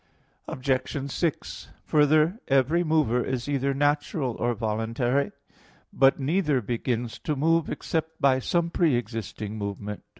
Obj. 6: Further, every mover is either natural or voluntary. But neither begins to move except by some pre existing movement.